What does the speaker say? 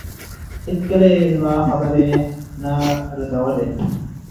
هېڅکله يې زما خبرې نه ردولې.